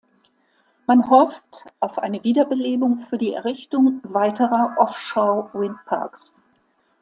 Man hofft auf eine Wiederbelebung für die Errichtung weiterer Offshore-Windparks.